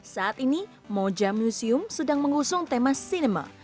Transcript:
saat ini moja museum sedang mengusung tema cinema